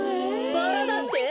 バラだって？